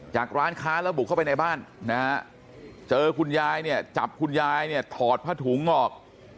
ร้านค้าแล้วบุกเข้าไปในบ้านนะฮะเจอคุณยายเนี่ยจับคุณยายเนี่ยถอดผ้าถุงออก